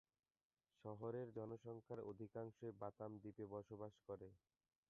শহরের জনসংখ্যার অধিকাংশ বাতাম দ্বীপে বসবাস করে।